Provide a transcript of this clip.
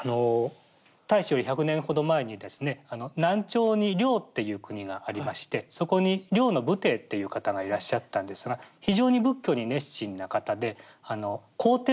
太子より１００年ほど前にですね南朝に梁っていう国がありましてそこに梁の武帝っていう方がいらっしゃったんですが非常に仏教に熱心な方で皇帝菩と呼ばれたんです。